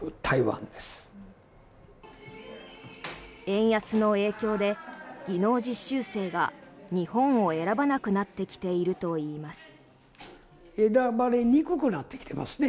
円安の影響で技能実習生が日本を選ばなくなってきているといいます。